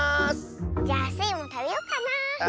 じゃあスイもたべようかなあ。